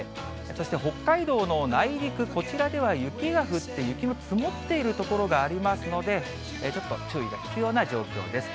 そして北海道の内陸、こちらでは雪が降って、雪の積もっている所がありますので、ちょっと注意が必要な状況です。